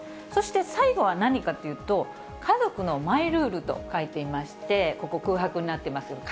そして最後は何かというと、家族のマイルールと書いていまして、ここ、空白になってます。